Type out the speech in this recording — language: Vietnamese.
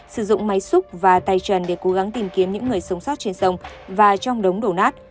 sử dụng máy xúc và tay trần để cố gắng tìm kiếm những người sống sót trên sông và trong đống đổ nát